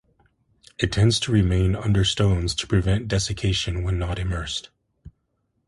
It tends to remain under stones to prevent desiccation when not immersed.